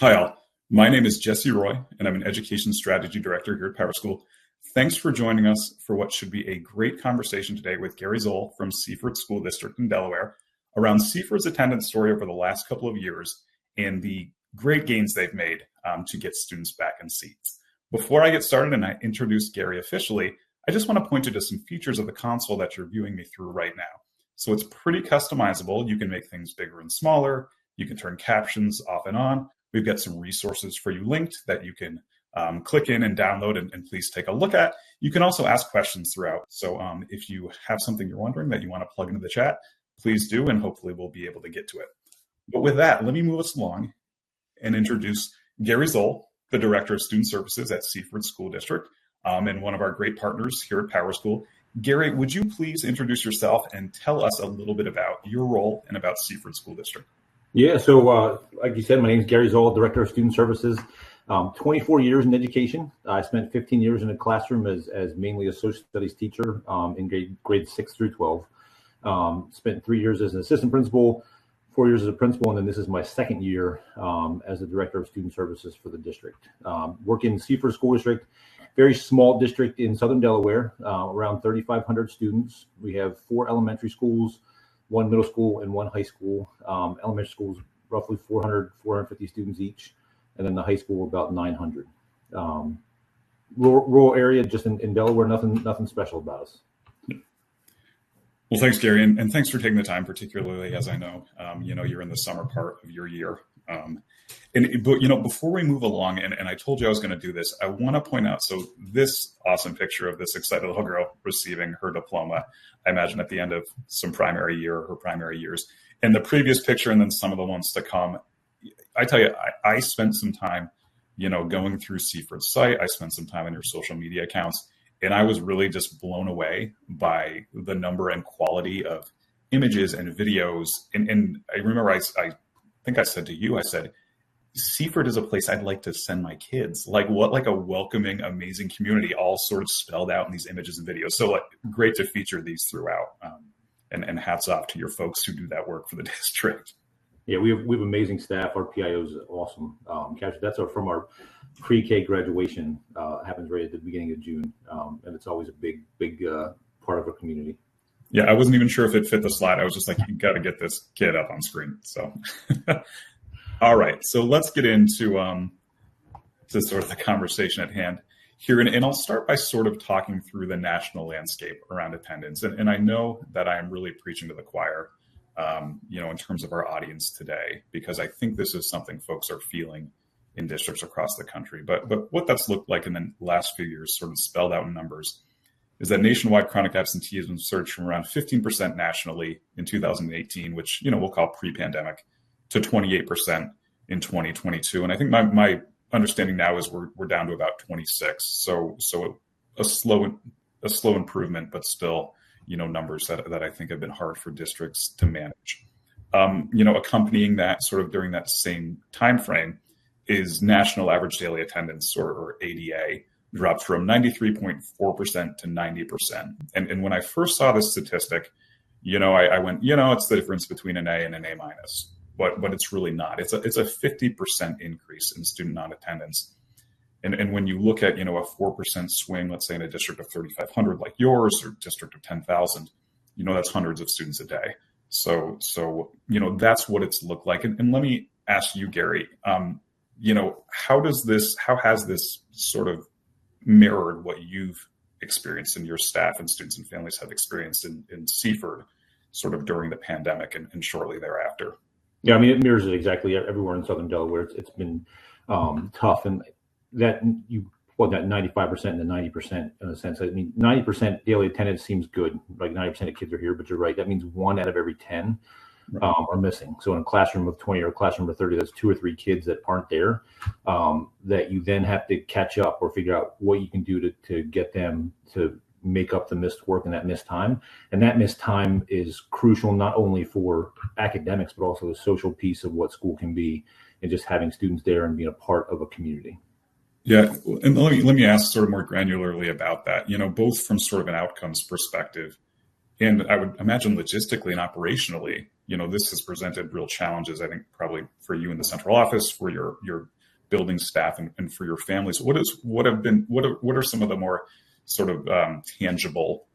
Hi, all. My name is Jesse Roy, and I'm an Education Strategy Director here at PowerSchool. Thanks for joining us for what should be a great conversation today with Gary Zoll from Seaford School District in Delaware, around Seaford's attendance story over the last couple of years and the great gains they've made to get students back in seats. Before I get started, and I introduce Gary officially, I just wanna point you to some features of the console that you're viewing me through right now. So it's pretty customizable. You can make things bigger and smaller. You can turn captions off and on. We've got some resources for you linked that you can click in and download and please take a look at. You can also ask questions throughout. So, if you have something you're wondering that you wanna plug into the chat, please do, and hopefully we'll be able to get to it. But with that, let me move us along and introduce Gary Zoll, the Director of Student Services at Seaford School District, and one of our great partners here at PowerSchool. Gary, would you please introduce yourself and tell us a little bit about your role and about Seaford School District? Like you said, my name is Gary Zoll, Director of Student Services. 24 years in education. I spent 15 years in a classroom as mainly a social studies teacher in grades 6 through 12. Spent three years as an assistant principal, four years as a principal, and then this is my second year as the Director of Student Services for the district. Work in Seaford School District, very small district in Southern Delaware, around 3,500 students. We have four elementary schools, one middle school and one high school. Elementary school is roughly 400-450 students each, and then the high school, about 900. Rural area, just in Delaware. Nothing special about us. Well, thanks, Gary, and thanks for taking the time, particularly as I know, you know, you're in the summer part of your year. But, you know, before we move along, and I told you I was gonna do this, I wanna point out, so this awesome picture of this excited little girl receiving her diploma, I imagine at the end of some primary year or her primary years, and the previous picture, and then some of the ones to come. I tell you, I spent some time, you know, going through Seaford's site. I spent some time on your social media accounts, and I was really just blown away by the number and quality of images and videos. I remember, I think I said to you, I said, "Seaford is a place I'd like to send my kids." Like, a welcoming, amazing community, all sort of spelled out in these images and videos. So, like, great to feature these throughout, and hats off to your folks who do that work for the district. Yeah, we have amazing staff. Our PIO is awesome. Actually, that's from our pre-K graduation, happens right at the beginning of June. And it's always a big part of our community. Yeah, I wasn't even sure if it fit the slide. I was just like, "You gotta get this kid up on screen," so, all right. So let's get into to sort of the conversation at hand here, and I'll start by sort of talking through the national landscape around attendance. I know that I'm really preaching to the choir, you know, in terms of our audience today, because I think this is something folks are feeling in districts across the country. But what that's looked like in the last few years, sort of spelled out in numbers, is that nationwide chronic absenteeism surged from around 15% nationally in 2018, which, you know, we'll call pre-pandemic, to 28% in 2022, and I think my understanding now is we're down to about 26%. So a slow improvement, but still, you know, numbers that I think have been hard for districts to manage. You know, accompanying that, sort of during that same timeframe, is national average daily attendance, or ADA, dropped from 93.4% to 90%. And when I first saw this statistic, you know, I went, "You know, it's the difference between an A and an A minus," but it's really not. It's a 50% increase in student non-attendance. And when you look at, you know, a 4% swing, let's say, in a district of 3,500, like yours or district of 10,000, you know, that's hundreds of students a day. So, you know, that's what it's looked like. Let me ask you, Gary, you know, how does this, how has this sort of mirrored what you've experienced in your staff and students and families have experienced in Seaford, sort of during the pandemic and shortly thereafter? Yeah, I mean, it mirrors it exactly. Everywhere in Southern Delaware, it's been tough. Well, that 95%-90%, in a sense, I mean, 90% daily attendance seems good, like 90% of kids are here, but you're right, that means one out of every ten- Right... are missing. So in a classroom of 20 or a classroom of 30, that's two or three kids that aren't there, that you then have to catch up or figure out what you can do to get them to make up the missed work and that missed time. And that missed time is crucial, not only for academics, but also the social piece of what school can be and just having students there and being a part of a community. Yeah, and let me ask sort of more granularly about that. You know, both from sort of an outcomes perspective, and I would imagine logistically and operationally, you know, this has presented real challenges, I think probably for you in the central office, for your building staff, and for your families. What have been, what are some of the more sort of tangible,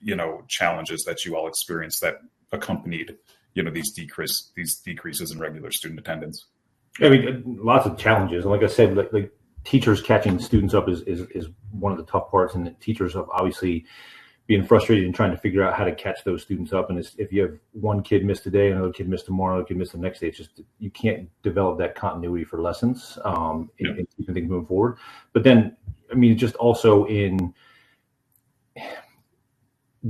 you know, challenges that you all experienced that accompanied, you know, these decreases in regular student attendance? I mean, lots of challenges. Like I said, the teachers catching students up is one of the tough parts, and the teachers have obviously being frustrated and trying to figure out how to catch those students up, and if you have one kid miss today, another kid miss tomorrow, kid miss the next day, it's just you can't develop that continuity for lessons. Yeah... everything moving forward. But then, I mean, just also in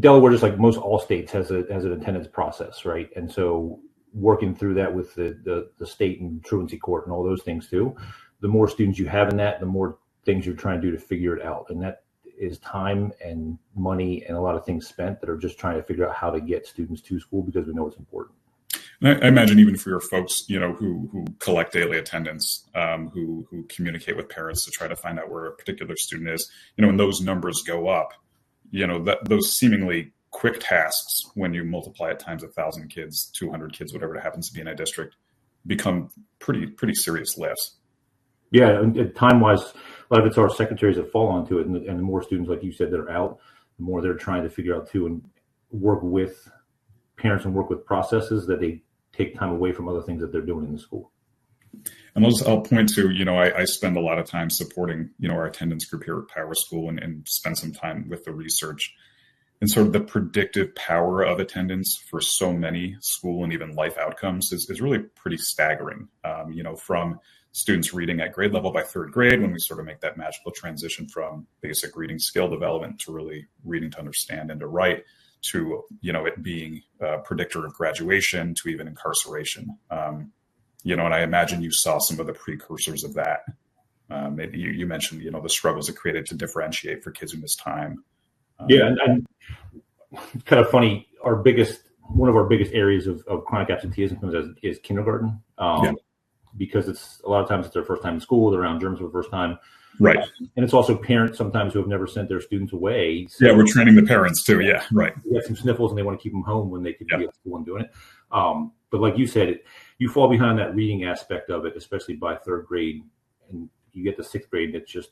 Delaware, just like most all states, has an attendance process, right? And so working through that with the state and Truancy Court and all those things, too, the more students you have in that, the more things you're trying to do to figure it out. And that is time and money and a lot of things spent that are just trying to figure out how to get students to school because we know it's important. And I imagine even for your folks, you know, who collect daily attendance, who communicate with parents to try to find out where a particular student is, you know, when those numbers go up—you know, those seemingly quick tasks, when you multiply it times 1,000 kids, 200 kids, whatever it happens to be in a district, become pretty, pretty serious lists. Yeah, and time-wise, a lot of it's our secretaries that fall onto it, and the more students, like you said, that are out, the more they're trying to figure out, too, and work with parents and work with processes that they take time away from other things that they're doing in the school. And also, I'll point to, you know, I, I spend a lot of time supporting, you know, our attendance group here at PowerSchool and, and spend some time with the research. And so the predictive power of attendance for so many school and even life outcomes is, is really pretty staggering. You know, from students reading at grade level by third grade, when we sort of make that magical transition from basic reading skill development to really reading to understand and to write, to, you know, it being a predictor of graduation to even incarceration. You know, and I imagine you saw some of the precursors of that. Maybe you, you mentioned, you know, the struggles it created to differentiate for kids who miss time. Yeah, and kind of funny, our biggest—one of our biggest areas of chronic absenteeism is kindergarten. Yeah. Because it's a lot of times, it's their first time in school. They're around germs for the first time. Right. It's also parents sometimes who have never sent their students away. Yeah, we're training the parents, too. Yeah, right. We have some sniffles, and they want to keep them home when they could- Yeah... be at school and doing it. But like you said, you fall behind that reading aspect of it, especially by third grade, and you get to sixth grade, it just,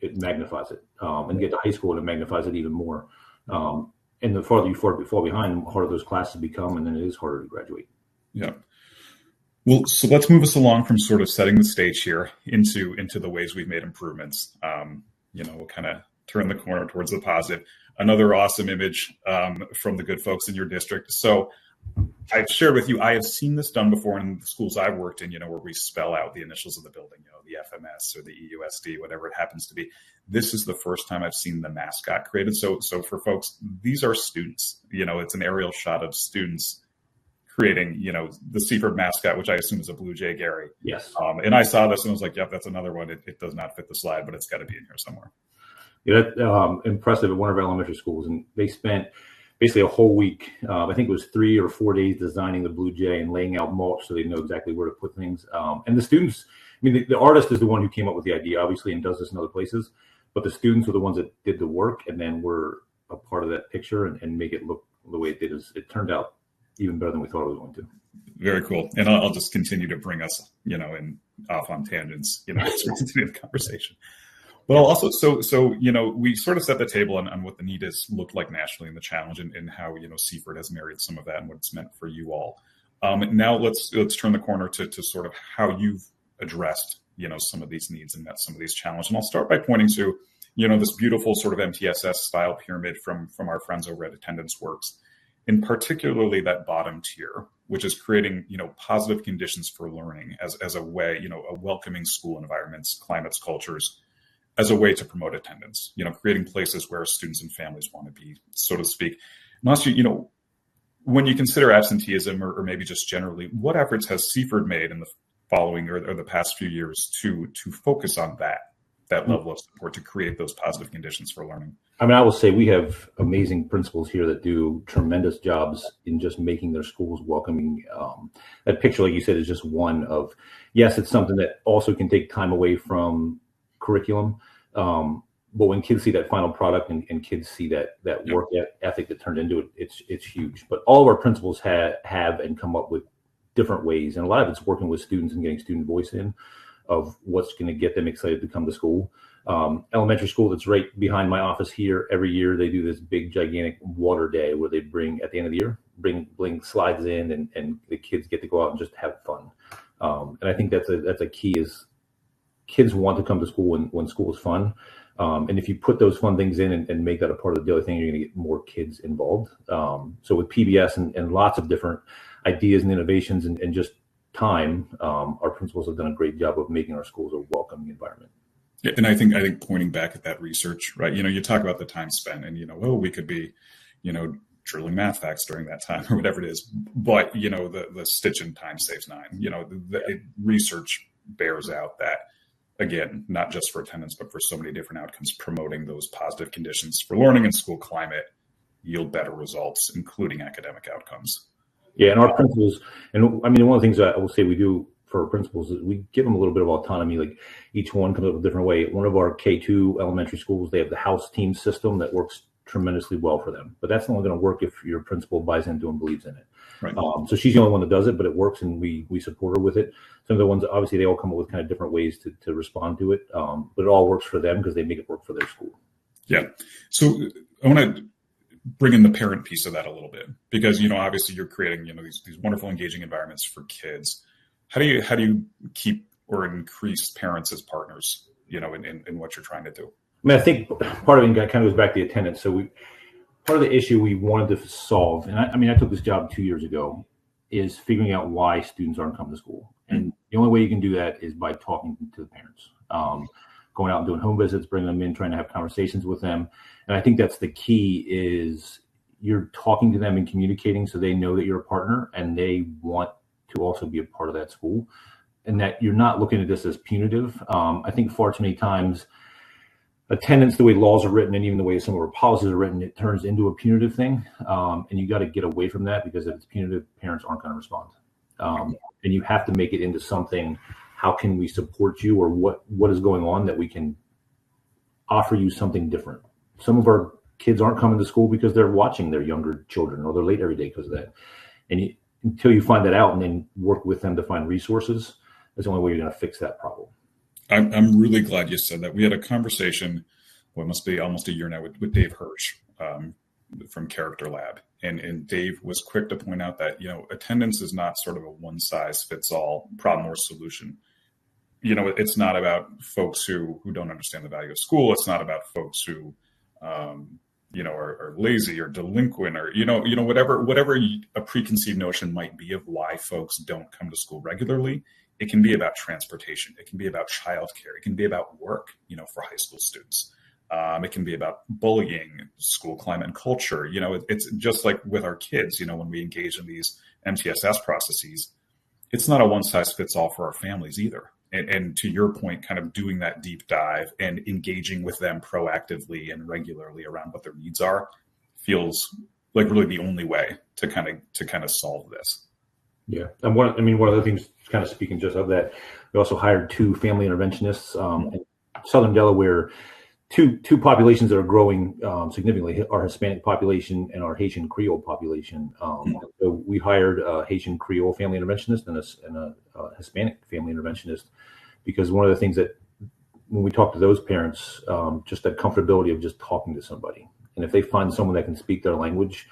it magnifies it. And get to high school, and it magnifies it even more. And the farther you fall, you fall behind, the harder those classes become, and then it is harder to graduate. Yeah. Well, so let's move us along from sort of setting the stage here into the ways we've made improvements. You know, we'll kind of turn the corner towards the positive. Another awesome image from the good folks in your district. So I've shared with you, I have seen this done before in the schools I've worked in, you know, where we spell out the initials of the building, you know, the FMS or the EUSD, whatever it happens to be. This is the first time I've seen the mascot created. So for folks, these are students, you know, it's an aerial shot of students creating the Seaford mascot, which I assume is a blue jay, Gary. Yes. I saw this, and I was like, "Yep, that's another one. It does not fit the slide, but it's got to be in here somewhere. Yeah, impressive. At one of our elementary schools, they spent basically a whole week, I think it was three or four days, designing the blue jay and laying out mulch so they'd know exactly where to put things. And the students, I mean, the artist is the one who came up with the idea, obviously, and does this in other places, but the students were the ones that did the work and then were a part of that picture and make it look the way it did. It turned out even better than we thought it was going to. Very cool. And I'll just continue to bring us, you know, in off on tangents, you know, continue the conversation. Well, also, so, you know, we sort of set the table on what the need is looked like nationally and the challenge and how, you know, Seaford has married some of that and what it's meant for you all. Now let's turn the corner to sort of how you've addressed, you know, some of these needs and met some of these challenges. And I'll start by pointing to, you know, this beautiful sort of MTSS-style pyramid from our friends over at Attendance Works. And particularly that bottom tier, which is creating, you know, positive conditions for learning as a way, you know, a welcoming school environments, climates, cultures, as a way to promote attendance. You know, creating places where students and families want to be, so to speak. And also, you know, when you consider absenteeism or, or maybe just generally, what efforts has Seaford made in the following or the, or the past few years to, to focus on that, that level of support to create those positive conditions for learning? I mean, I will say we have amazing principals here that do tremendous jobs in just making their schools welcoming. That picture, like you said, is just one of... Yes, it's something that also can take time away from curriculum, but when kids see that final product and, and kids see that, that work ethic- Yeah... that turned into, it's, it's huge. But all of our principals had, have and come up with different ways, and a lot of it's working with students and getting student voice in, of what's going to get them excited to come to school. Elementary school, that's right behind my office here, every year, they do this big, gigantic water day, where they bring, at the end of the year, bring, bring slides in, and, and the kids get to go out and just have fun. And I think that's a, that's a key is, kids want to come to school when, when school is fun. And if you put those fun things in and, and make that a part of the other thing, you're going to get more kids involved. So with PBIS and lots of different ideas and innovations and just time, our principals have done a great job of making our schools a welcoming environment. Yeah, and I think pointing back at that research, right? You know, you talk about the time spent and, you know, oh, we could be, you know, drilling math facts during that time or whatever it is, but, you know, the stitch in time saves nine. Yeah. You know, research bears out that, again, not just for attendance, but for so many different outcomes, promoting those positive conditions for learning and school climate yield better results, including academic outcomes. Yeah, and our principals, and, I mean, one of the things that I will say we do for our principals is we give them a little bit of autonomy, like, each one comes up with a different way. One of our K-2 elementary schools, they have the house team system that works tremendously well for them, but that's only going to work if your principal buys into and believes in it. Right. So she's the only one that does it, but it works, and we support her with it. Some of the ones, obviously, they all come up with kind of different ways to respond to it, but it all works for them because they make it work for their school. Yeah. So I want to bring in the parent piece of that a little bit because, you know, obviously, you're creating, you know, these wonderful, engaging environments for kids. How do you keep or increase parents as partners, you know, in what you're trying to do? I mean, I think part of it kind of goes back to the attendance. So we... Part of the issue we wanted to solve, and I, I mean, I took this job two years ago, is figuring out why students aren't coming to school. Mm-hmm. The only way you can do that is by talking to the parents, going out and doing home visits, bringing them in, trying to have conversations with them. I think that's the key is, you're talking to them and communicating, so they know that you're a partner, and they want to also be a part of that school, and that you're not looking at this as punitive. I think far too many times, attendance, the way laws are written and even the way some of our policies are written, it turns into a punitive thing. And you got to get away from that because if it's punitive, parents aren't going to respond.... and you have to make it into something, how can we support you? Or what, what is going on that we can offer you something different? Some of our kids aren't coming to school because they're watching their younger children, or they're late every day 'cause of that. And until you find that out, and then work with them to find resources, that's the only way you're gonna fix that problem. I'm really glad you said that. We had a conversation, what must be almost a year now, with Dave Hersh from Character Lab, and Dave was quick to point out that, you know, attendance is not sort of a one size fits all problem or solution. You know, it's not about folks who don't understand the value of school. It's not about folks who, you know, are lazy or delinquent or, you know, whatever a preconceived notion might be of why folks don't come to school regularly. It can be about transportation, it can be about childcare, it can be about work, you know, for high school students. It can be about bullying, school climate, and culture. You know, it's just like with our kids, you know, when we engage in these MTSS processes, it's not a one size fits all for our families either. And to your point, kind of doing that deep dive and engaging with them proactively and regularly around what their needs are, feels like really the only way to kinda solve this. Yeah. And one of... I mean, one of the things, kinda speaking just of that, we also hired two family interventionists in Southern Delaware, two populations that are growing significantly, our Hispanic population and our Haitian Creole population. Mm. We hired a Haitian Creole family interventionist and a Hispanic family interventionist, because one of the things that when we talk to those parents, just that comfortability of just talking to somebody, and if they find someone that can speak their language,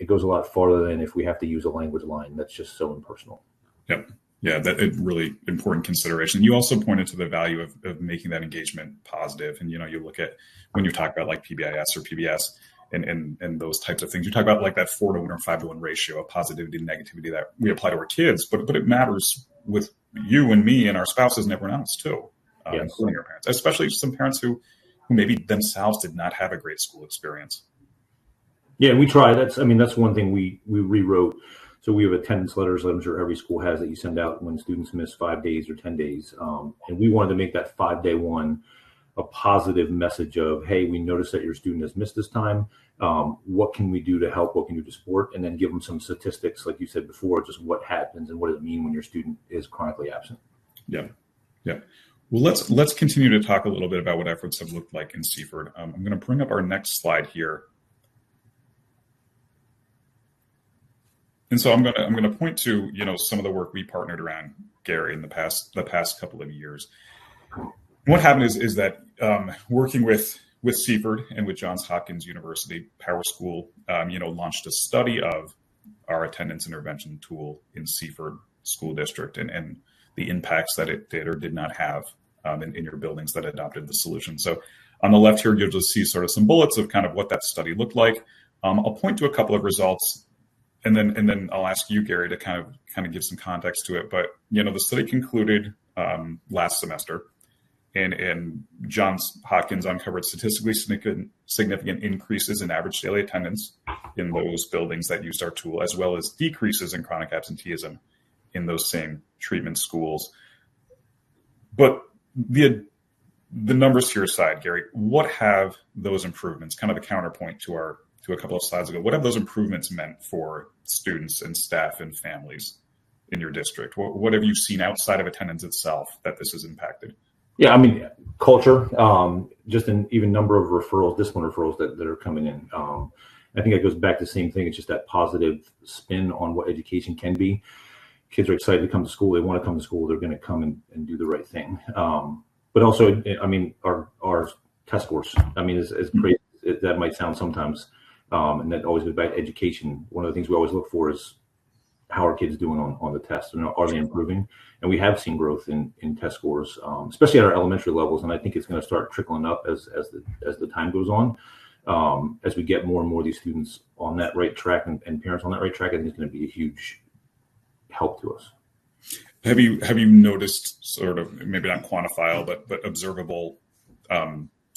it goes a lot farther than if we have to use a language line that's just so impersonal. Yep. Yeah, that's a really important consideration. You also pointed to the value of making that engagement positive, and, you know, you look at when you talk about, like, PBIS or PBS and those types of things, you talk about like that 4-to-1 or 5-to-1 ratio of positivity to negativity that we apply to our kids, but it matters with you and me and our spouses and everyone else, too. Yes including your parents, especially some parents who maybe themselves did not have a great school experience. Yeah, we try. That's, I mean, that's one thing we rewrote, so we have attendance letters, which I'm sure every school has, that you send out when students miss 5 days or 10 days. And we wanted to make that 5-day one a positive message of, "Hey, we noticed that your student has missed this time. What can we do to help? What can we do to support?" And then give them some statistics, like you said before, just what happens and what does it mean when your student is chronically absent. Yeah. Yeah. Well, let's continue to talk a little bit about what efforts have looked like in Seaford. I'm gonna bring up our next slide here. And so I'm gonna point to, you know, some of the work we partnered around, Gary, in the past couple of years. What happened is that working with Seaford and with Johns Hopkins University, PowerSchool, you know, launched a study of our attendance intervention tool in Seaford School District and the impacts that it did or did not have in your buildings that adopted the solution. So on the left here, you'll just see sort of some bullets of kind of what that study looked like. I'll point to a couple of results, and then I'll ask you, Gary, to kind of give some context to it. But, you know, the study concluded last semester, and Johns Hopkins uncovered statistically significant increases in average daily attendance in those buildings that used our tool, as well as decreases in chronic absenteeism in those same treatment schools. But via the numbers to your side, Gary, what have those improvements, kind of the counterpoint to our- to a couple of slides ago, what have those improvements meant for students and staff and families in your district? What have you seen outside of attendance itself that this has impacted? Yeah, I mean, culture, just in even number of referrals, discipline referrals, that are coming in. I think it goes back to the same thing, it's just that positive spin on what education can be. Kids are excited to come to school. They want to come to school, they're gonna come and do the right thing. But also, I mean, our test scores, I mean, as crazy as that might sound sometimes, and that always about education, one of the things we always look for is how are kids doing on the test, and are they improving? And we have seen growth in test scores, especially at our elementary levels, and I think it's gonna start trickling up as the time goes on. As we get more and more of these students on that right track and parents on that right track, I think it's gonna be a huge help to us. Have you noticed, sort of maybe not quantifiable, but observable,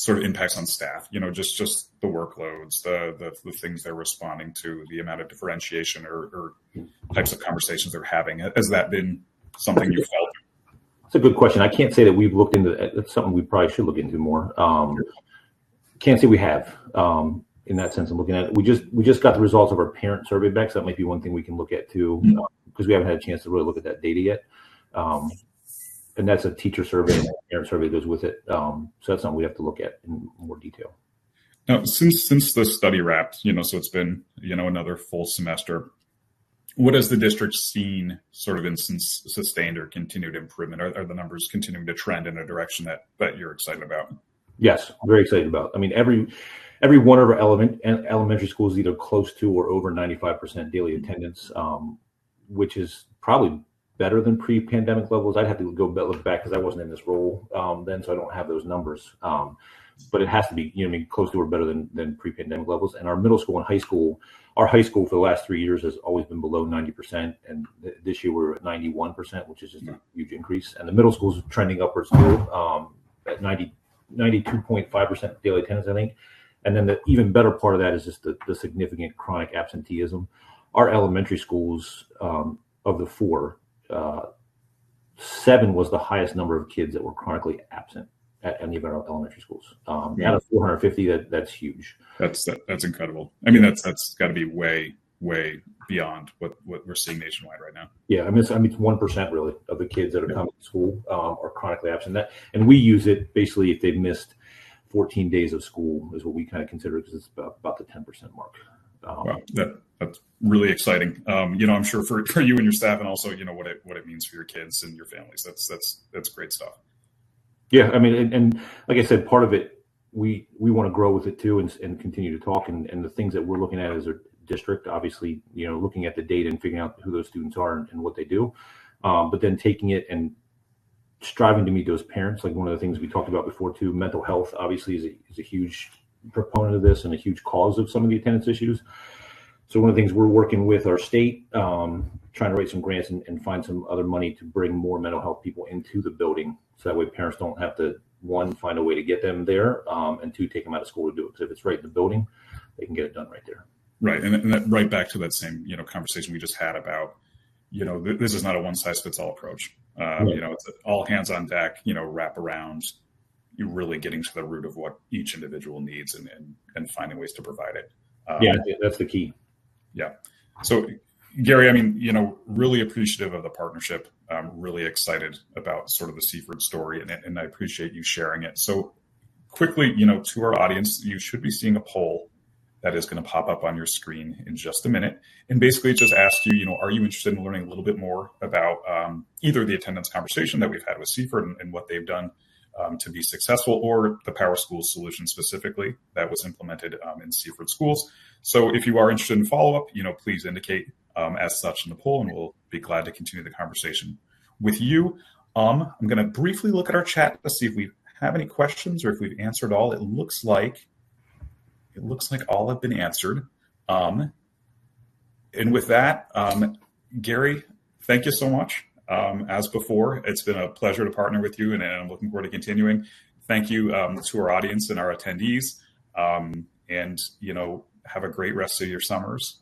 sort of impacts on staff? You know, just the workloads, the things they're responding to, the amount of differentiation or types of conversations they're having. Has that been something you felt? It's a good question. I can't say that we've looked into it. That's something we probably should look into more. Yes. Can't say we have, in that sense of looking at it. We just, we just got the results of our parent survey back, so that might be one thing we can look at, too. Mm. 'Cause we haven't had a chance to really look at that data yet. And that's a teacher survey, and parent survey goes with it, so that's something we have to look at in more detail. Now, since the study wrapped, you know, so it's been, you know, another full semester, what has the district seen sort of since sustained or continued improvement? Are the numbers continuing to trend in a direction that you're excited about? Yes, very excited about. I mean, every one of our elementary schools is either close to or over 95% daily attendance, which is probably better than pre-pandemic levels. I'd have to go look back because I wasn't in this role, then, so I don't have those numbers. But it has to be, you know, close to or better than pre-pandemic levels. And our middle school and high school... Our high school for the last three years has always been below 90%, and this year we're at 91%, which is a huge increase, and the middle school is trending upwards, too, at 92.5% daily attendance, I think. And then, the even better part of that is just the significant chronic absenteeism. Our elementary schools, of the four... seven was the highest number of kids that were chronically absent at any of our elementary schools. Out of 450, that's huge. That's incredible. I mean, that's gotta be way beyond what we're seeing nationwide right now. Yeah, I mean, so, I mean, it's 1% really, of the kids that are coming to school, are chronically absent. And we use it basically, if they've missed 14 days of school, is what we kinda consider it, 'cause it's about the 10% mark. Wow, that's really exciting. You know, I'm sure for you and your staff, and also, you know, what it means for your kids and your families. That's great stuff. Yeah, I mean, like I said, part of it, we wanna grow with it too, and continue to talk. The things that we're looking at as a district, obviously, you know, looking at the data and figuring out who those students are and what they do. But then taking it and striving to meet those parents. Like one of the things we talked about before, too, mental health obviously is a huge proponent of this and a huge cause of some of the attendance issues. So one of the things we're working with our state, trying to write some grants and find some other money to bring more mental health people into the building, so that way, parents don't have to, one, find a way to get them there, and two, take them out of school to do it. So if it's right in the building, they can get it done right there. Right. And then right back to that same, you know, conversation we just had about, you know, this is not a one-size-fits-all approach. Right. You know, it's an all hands on deck, you know, wraparound. You're really getting to the root of what each individual needs and finding ways to provide it. Yeah, that's the key. Yeah. So, Gary, I mean, you know, really appreciative of the partnership. I'm really excited about sort of the Seaford story, and, and I appreciate you sharing it. So quickly, you know, to our audience, you should be seeing a poll that is gonna pop up on your screen in just a minute, and basically just ask you, you know, are you interested in learning a little bit more about either the attendance conversation that we've had with Seaford and, and what they've done to be successful, or the PowerSchool solution specifically, that was implemented in Seaford Schools? So if you are interested in follow-up, you know, please indicate as such in the poll, and we'll be glad to continue the conversation with you. I'm gonna briefly look at our chat to see if we have any questions or if we've answered all. It looks like all have been answered. And with that, Gary, thank you so much. As before, it's been a pleasure to partner with you, and I'm looking forward to continuing. Thank you to our audience and our attendees, and, you know, have a great rest of your summers.